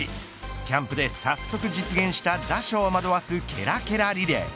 キャンプで早速実現した打者を惑わすケラケラリレー。